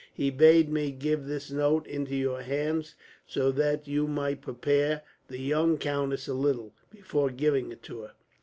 He bade me give this note into your hands, so that you might prepare the young countess a little, before giving it to her."